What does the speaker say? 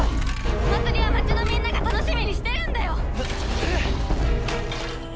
お祭りは町のみんなが楽しみにしてるんだよ！